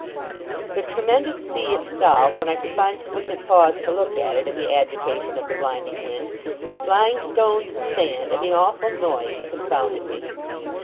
The tremendous sea itself, when I could find sufficient pause to look at it, in the agitation of the blinding wind, the flying stones and sand, and the awful noise, confounded me.